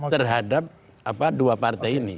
terhadap dua partai ini